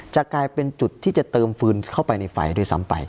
จะกลายเป็นจุดที่จะเติมฟืนเข้าไปในไฟด้วยซ้ำไป